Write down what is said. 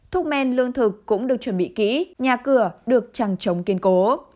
thúc men lương thực cũng được chuẩn bị kỹ nhà cửa được trằng trống kiên cố